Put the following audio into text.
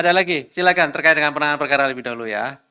ada lagi silakan terkait dengan penanganan perkara lebih dahulu ya